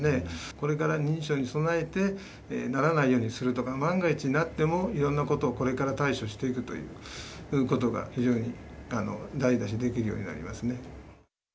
これから認知症に備えて、ならないようにするとか、万が一なっても、いろんなことをこれから対処していくということが非常に大事だし、できるようになりますね。